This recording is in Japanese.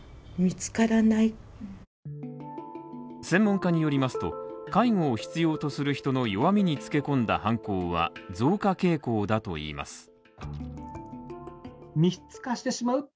専門家によりますと、介護を必要とする人の弱みに付け込んだ犯行は増加傾向だといいます。